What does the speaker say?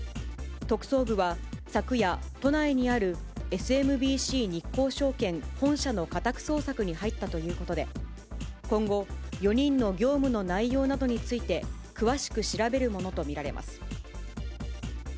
特捜部は昨夜、都内にあるＳＭＢＣ日興証券本社の家宅捜索に入ったということで、今後、４人の業務の内容などについて、詳しく調べるものとみられます。